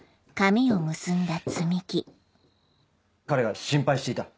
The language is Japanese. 彼が心配していた。